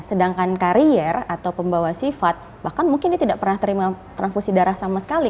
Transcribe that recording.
sedangkan karier atau pembawa sifat bahkan mungkin dia tidak pernah terima transfusi darah sama sekali